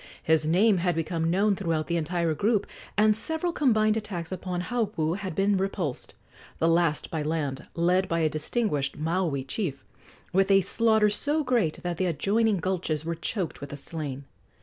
His name had become known throughout the entire group, and several combined attacks upon Haupu had been repulsed the last by land, led by a distinguished Maui chief, with a slaughter so great that the adjoining gulches were choked with the slain.